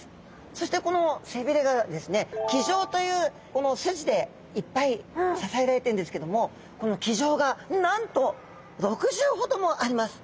そしてこの背鰭がですね鰭条という筋でいっぱい支えられてるんですけどもこの鰭条がなんと６０ほどもあります！